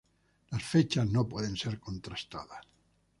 Las fechas no pueden ser contrastadas.